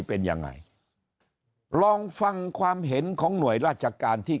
เป็นยังไงลองฟังความเห็นของหน่วยราชการที่